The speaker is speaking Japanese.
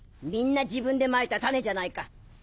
みんな自分でまいた種じゃないか。